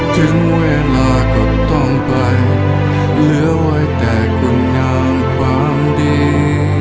ถึงเวลาก็ต้องไปเหลือไว้แต่คุณงามความดี